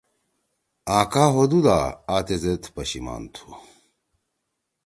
آں کا ہُودُو دا آ تیزید پشیمان تُھو